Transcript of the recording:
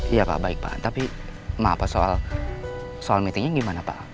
iya pak baik pak tapi maaf pak soal meetingnya gimana pak